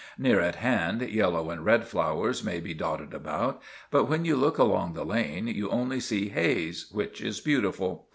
Near at hand, yellow and red flowers may be dotted about; but when you look along the lane, you only see haze, which is beautiful.